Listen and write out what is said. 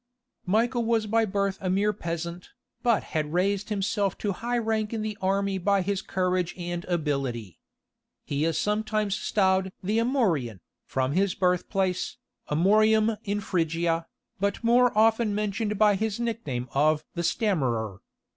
Michael was by birth a mere peasant, but had raised himself to high rank in the army by his courage and ability. He is sometimes styled "the Amorian," from his birth place, Amorium in Phrygia, but more often mentioned by his nickname of "the Stammerer."